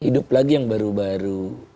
hidup lagi yang baru baru